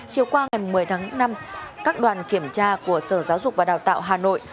chiều qua ngày một mươi tháng năm các đoàn kiểm tra của sở giáo dục và đào tạo hà nội